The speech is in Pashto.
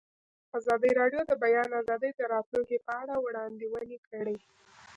ازادي راډیو د د بیان آزادي د راتلونکې په اړه وړاندوینې کړې.